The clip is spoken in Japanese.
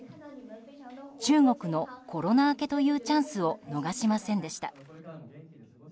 中国のコロナ明けというチャンスを逃しませんでした。